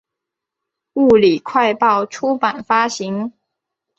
物理快报出版发行。